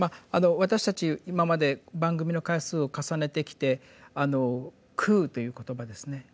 私たち今まで番組の回数を重ねてきてあの「空」という言葉ですね